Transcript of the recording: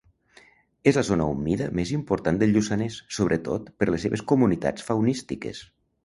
És la zona humida més important del Lluçanès, sobretot per les seves comunitats faunístiques.